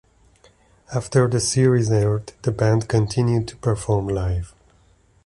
After the series aired, the band continued to perform live.